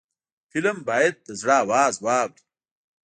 فلم باید د زړه آواز واوري